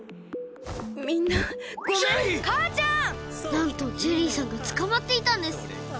なんとジェリーさんがつかまっていたんです！